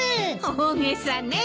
大げさね。